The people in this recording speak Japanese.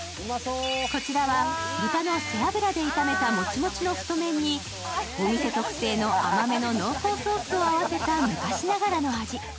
こちらは豚の背脂で炒めたもちもちの太麺にお店特製の甘めの濃厚ソースを合わせた昔ならではの味。